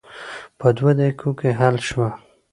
په دوه دقیقو کې حل شوه.